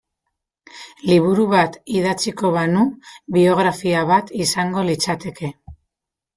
Liburu bat idatziko banu biografia bat izango litzateke.